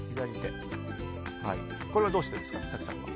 これはどうしてですか、早紀さん。